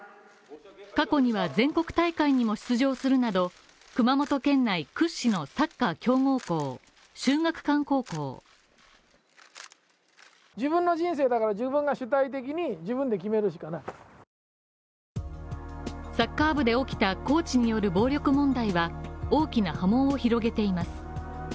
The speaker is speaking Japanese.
過去には全国大会にも出場するなど、熊本県内屈指のサッカー強豪校、秀岳館高校サッカー部で起きたコーチによる暴力問題は大きな波紋を広げています。